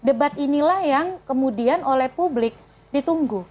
jadi debat inilah yang kemudian oleh publik ditunggu